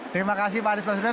terima kasih pak anies baswedan